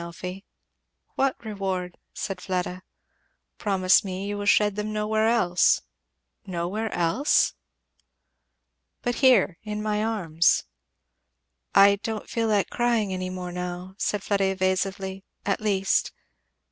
Elfie." "What reward?" said Fleda. "Promise me that you will shed them nowhere else." "Nowhere else? " "But here in my arms." "I don't feel like crying any more now," said Fleda evasively; at least."